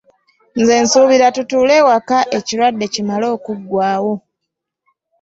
Nze nsuubira tutuule awaka ekirwadde kimale okuggwawo.